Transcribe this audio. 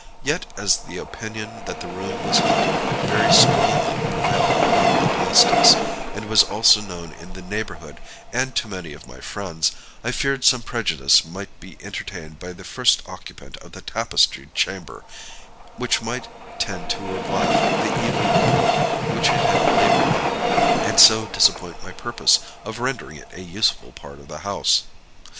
Yet as the opinion that the room was haunted very strongly prevailed among the domestics, and was also known in the neighborhood and to many of my friends, I feared some prejudice might be entertained by the first occupant of the Tapestried Chamber, which might tend to revive the evil report which it had labored under, and so disappoint my purpose of rendering it a useful part of the house.